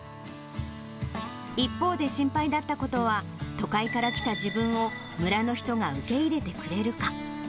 一方で心配だったことは、都会から来た自分を、村の人が受け入れてくれるか。